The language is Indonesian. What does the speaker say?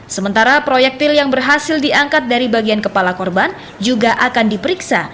sementara proyektil yang berhasil diangkat dari bagian kepala korban juga akan diperiksa